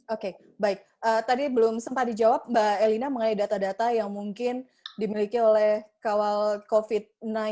oke baik tadi belum sempat dijawab mbak elina mengenai data data yang mungkin dimiliki oleh kawal covid sembilan belas